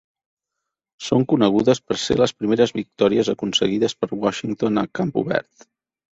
Són conegudes per ser les primeres victòries aconseguides per Washington a camp obert.